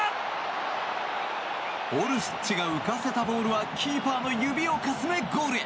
オルシッチが浮かせたボールはキーパーの指をかすめゴールへ。